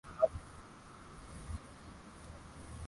aa vile tumeona vile imefanyika huko